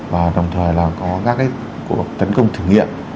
và đồng thời là có các cuộc tấn công thử nghiệm